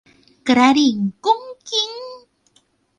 กระดิ่งกุ๊งกิ๊ง